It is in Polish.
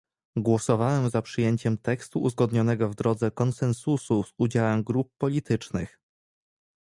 Głosowałem za przyjęciem tekstu uzgodnionego w drodze konsensusu z udziałem grup politycznych